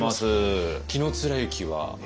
紀貫之は？